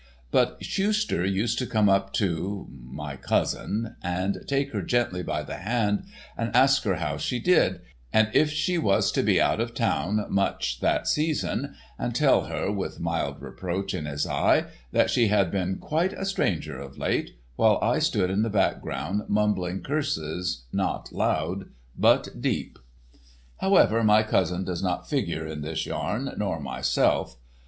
But Schuster used to come up to—my cousin, and take her gently by the hand and ask her how she did, and if she was to be out of town much that season, and tell her, with mild reproach in his eye, that she had been quite a stranger of late, while I stood in the background mumbling curses not loud but deep. However, my cousin does not figure in this yarn, nor myself.